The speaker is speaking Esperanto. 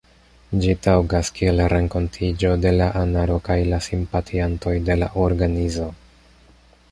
Ĝi taŭgas kiel renkontiĝo de la anaro kaj la simpatiantoj de la organizo.